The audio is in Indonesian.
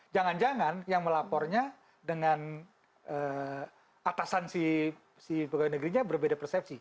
jangan jangan yang melapornya dengan atasan si pegawai negerinya berbeda persepsi